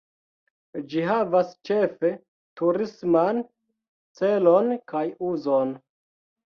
Ĝi havas ĉefe turisman celon kaj uzon.